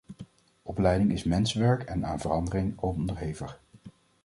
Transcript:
Opleiding is mensenwerk en aan verandering onderhevig.